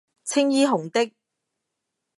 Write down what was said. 青衣紅的